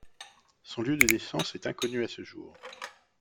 Son lieu de naissance est inconnu à ce jour.